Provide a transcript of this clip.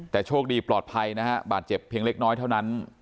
แต่โชคดีปลอดภัยนะฮะบาดเจ็บเพียงเล็กน้อยเท่านั้น